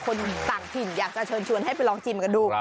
คนต่างถิ่นอยากจะเชิญชวนให้ไปลองชิมกันดู